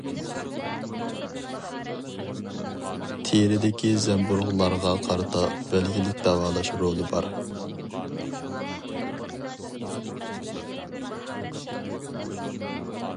تېرىدىكى زەمبۇرۇغلارغا قارىتا بەلگىلىك داۋالاش رولى بار.